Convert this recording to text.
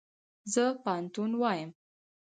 زه پوهنتون وایم